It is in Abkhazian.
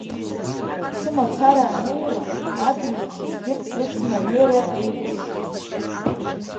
Сымацара анеира, адырҩаҽны егьырҭ срыцны анеира еиӷьысшьеит.